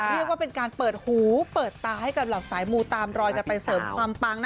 เรียกว่าเป็นการเปิดหูเปิดตาให้กับเหล่าสายมูตามรอยกันไปเสริมความปังนะ